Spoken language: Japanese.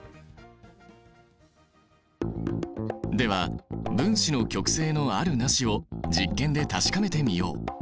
では分子の極性のあるなしを実験で確かめてみよう。